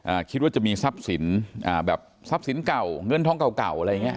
คิดว่าจะมีทรัพย์สินอ่าแบบทรัพย์สินเก่าเงินทองเก่าเก่าอะไรอย่างเงี้